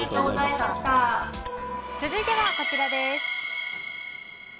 続いてはこちらです。